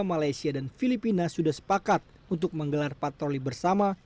malaysia dan filipina sudah sepakat untuk menggelar patroli bersama